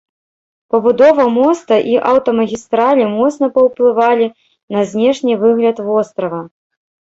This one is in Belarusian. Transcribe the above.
Пабудова моста і аўтамагістралі моцна паўплывалі на знешні выгляд вострава.